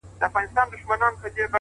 مهرباني د زړه یخ ویلې کوي.!